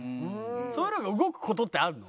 そういうのが動く事ってあるの？